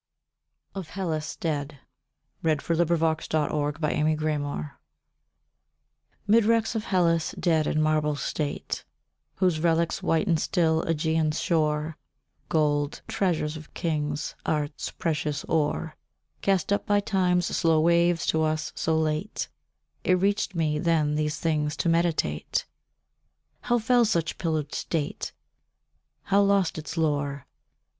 ght weep For Pallas fallen and her glory gone. OF HELLAS DEAD MID wrecks of Hellas dead in marble state, Whose relics whiten still Ægean's shore, Gold treasuries of kings, Art's precious ore, Cast up by Time's slow waves to us so late: It reached me then these things to meditate— How fell such pillared state, how lost its lore?